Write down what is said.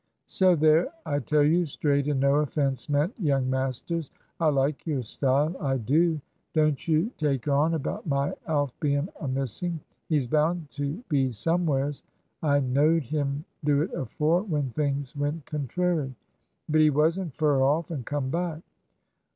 So there, I tell you straight, and no offence meant, young masters. I like your style, I do. Don't you take on about my Alf bein' a missing. He's bound to be somewheres. I know'd him do it afore, when things went contrairy. But he wasn't fur off, and come back.